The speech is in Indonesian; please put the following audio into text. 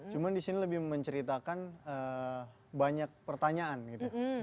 cuma di sini lebih menceritakan banyak pertanyaan gitu ya